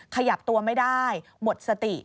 ขยับตัวไม่ได้หมดสติ